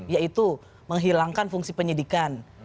yaitu menghilangkan fungsi penyidikan